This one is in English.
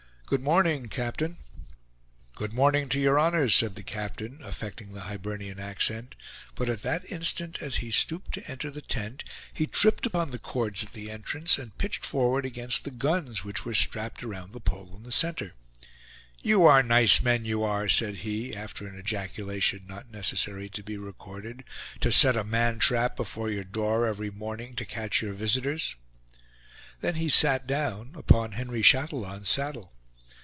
"Good morning, captain." "Good morning to your honors," said the captain, affecting the Hibernian accent; but at that instant, as he stooped to enter the tent, he tripped upon the cords at the entrance, and pitched forward against the guns which were strapped around the pole in the center. "You are nice men, you are!" said he, after an ejaculation not necessary to be recorded, "to set a man trap before your door every morning to catch your visitors." Then he sat down upon Henry Chatillon's saddle.